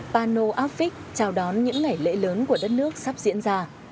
pano áp phích chào đón những ngày lễ lớn của đất nước sắp diễn ra